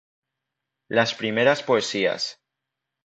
Las primeras poesías".